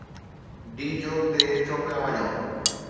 D Chowk تي ڇو پيا وڃو؟